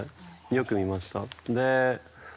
よく見ました。